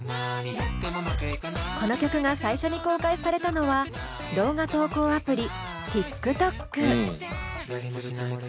この曲が最初に公開されたのは動画投稿アプリＴｉｋＴｏｋ。